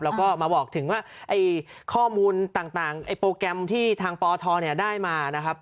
แล้วก็มาบอกถึงว่าข้อมูลต่างโปรแกรมที่ทางปทได้มานะครับ